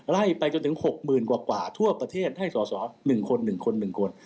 ไล่ไปจนถึง๖๐๐๐กว่าทั่วประเทศให้สอสอ๑คน๑คน๑คน